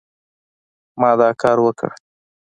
ما دا کار وکړ